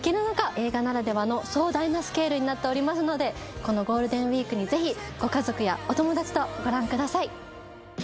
映画ならではの壮大なスケールになっておりますのでこのゴールデンウィークにぜひご家族やお友達とご覧ください